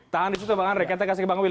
tahan di situ bang henry